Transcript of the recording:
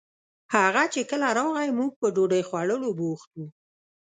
هغه چې کله راغئ موږ په ډوډۍ خوړولو بوخت وو